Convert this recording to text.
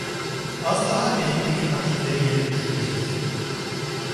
Az daha elimdeki paketleri yere düşürecektim.